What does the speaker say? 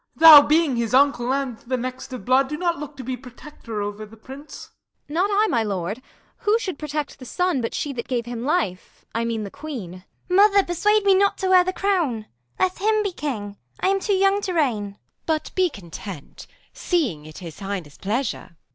Y. Mor. You, being his uncle and the next of blood, Do look to be protector o'er the prince. Kent. Not I, my lord: who should protect the son, But she that gave him life? I mean the queen. P. Edw. Mother, persuade me not to wear the crown: Let him be king; I am too young to reign. Q. Isab. But be content, seeing 'tis his highness' pleasure. _P. Edw.